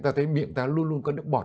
ta thấy miệng ta luôn luôn có nước bọt